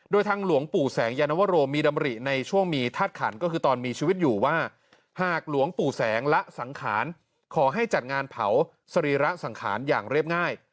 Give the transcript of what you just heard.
โดยทางหลวงปู่แสงยานวโรมีดำริในช่วงมีธาตุขันก็คือตอนมีชีวิตอยู่ว่าหากหลวงปู่แสงละสังขารขอให้จัดงานเผาสรีระสังขารอย่างเรียบง่าย